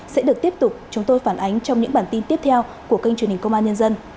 sẽ được tiếp tục chúng tôi phản ánh trong những bản tin tiếp theo của kênh truyền hình công an nhân dân